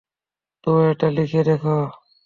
তো এটা লিখে দেখো।